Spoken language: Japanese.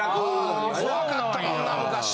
あ怖かったもんな昔。